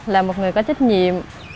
là một người có trách nhiệm